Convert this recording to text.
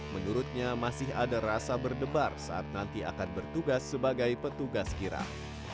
menurutnya masih ada rasa berdebar saat nanti akan bertugas sebagai petugas kirap